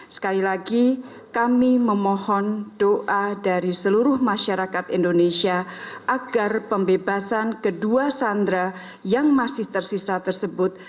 sekali lagi kami memohon doa dari seluruh masyarakat indonesia agar pembebasan kedua sandra yang masih tersisa tersebut